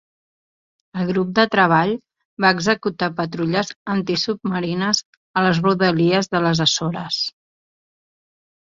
El grup de treball va executar patrulles antisubmarines a les rodalies de les Açores.